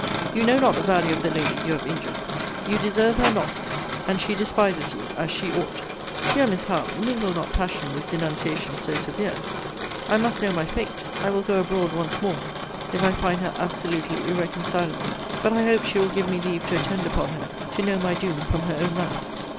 You know not the value of the lady you have injured. You deserve her not. And she despises you, as she ought. Dear Miss Howe, mingle not passion with denunciations so severe. I must know my fate. I will go abroad once more, if I find her absolutely irreconcileable. But I hope she will give me leave to attend upon her, to know my doom from her own mouth.